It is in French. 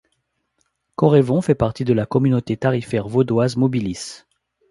Correvon fait partie de la communauté tarifaire vaudoise Mobilis.